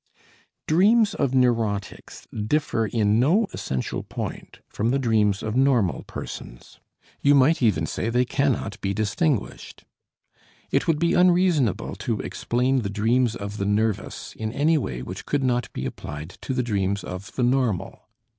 Dreams of neurotics differ in no essential point from the dreams of normal persons; you might even say they cannot be distinguished. It would be unreasonable to explain the dreams of the nervous in any way which could not be applied to the dreams of the normal.